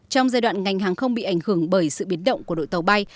trong giai đoạn ngành hàng không bị ảnh hưởng bởi sự biến động của đội tàu bay